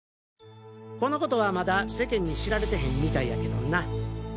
このことはまだ世間に知られてへんみたいやけどな。